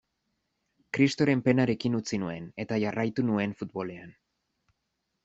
Kristoren penarekin utzi nuen, eta jarraitu nuen futbolean.